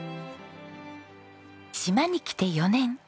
島に来て４年。